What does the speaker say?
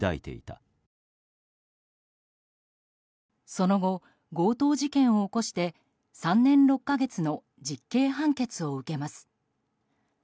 その後、強盗事件を起こして３年６か月の実刑判決を受けます。